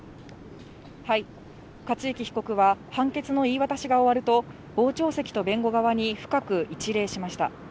克行被告は、判決の言い渡しが終わると、傍聴席と弁護側に深く一礼しました。